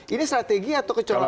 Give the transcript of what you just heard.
ini strategi atau kecolongan